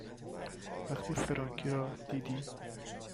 وقتی "فرانکی" را دیدی